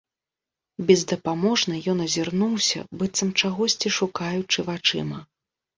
Бездапаможна ён азірнуўся, быццам чагосьці шукаючы вачыма.